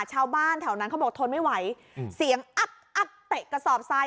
ชาวบ้านแถวนั้นเขาบอกทนไม่ไหวเสียงอักอักเตะกระสอบทราย